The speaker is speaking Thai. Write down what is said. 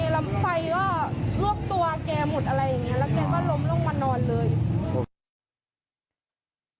แล้วแกก็ล้มลงมานอนเลย